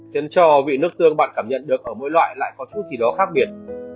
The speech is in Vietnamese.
kiến trò vị nước tương bạn cảm nhận được ở mỗi loại lại có chút gì đó khác biệt